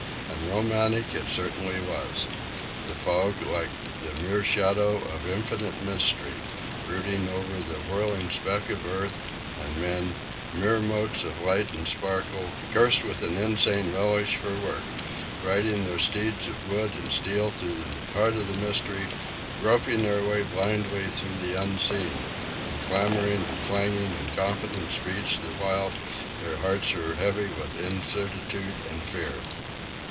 And romantic it certainly was—the fog, like the grey shadow of infinite mystery, brooding over the whirling speck of earth; and men, mere motes of light and sparkle, cursed with an insane relish for work, riding their steeds of wood and steel through the heart of the mystery, groping their way blindly through the Unseen, and clamouring and clanging in confident speech the while their hearts are heavy with incertitude and fear.